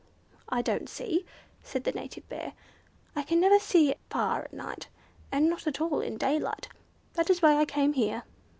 "I don't see," said the native Bear. "I never can see far at night, and not at all in daylight. That is why I came here.